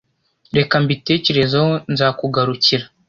Reka mbitekerezeho nzakugarukira